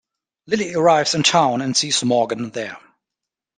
Lily arrives in town and sees Morgan there.